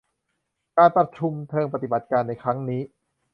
การประชุมเชิงปฏิบัติการในครั้งนี้